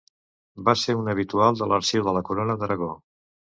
Va ser un habitual de l'Arxiu de la Corona d'Aragó.